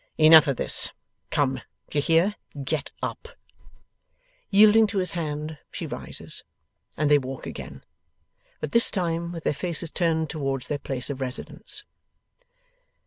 'Enough of this. Come! Do you hear? Get up.' Yielding to his hand, she rises, and they walk again; but this time with their faces turned towards their place of residence.